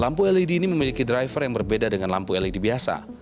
lampu led ini memiliki driver yang berbeda dengan lampu led biasa